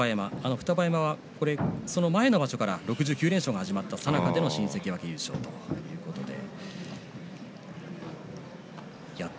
双葉山はその前の場所から６９連勝が始まったさなか新関脇での優勝です。